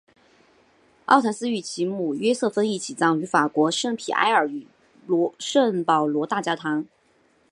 奥坦丝与其母约瑟芬一起葬于法国圣皮埃尔与圣保罗大教堂。